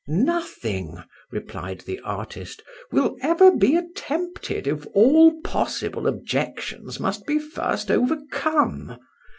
"Nothing," replied the artist, "will ever be attempted if all possible objections must be first overcome.